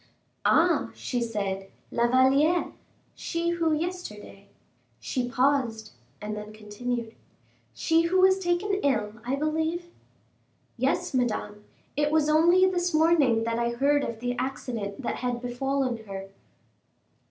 "Ah!" she said, "La Valliere she who yesterday " she paused, and then continued, "she who was taken ill, I believe." "Yes, Madame; it was only this morning that I heard of the accident that had befallen her."